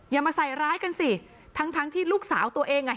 อย่ามาใส่ร้ายกันสิทั้งทั้งที่ลูกสาวตัวเองอ่ะ